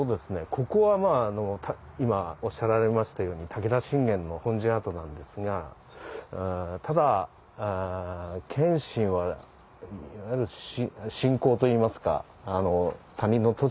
ここは今おっしゃられましたように武田信玄の本陣跡なんですがただ謙信は侵攻といいますか。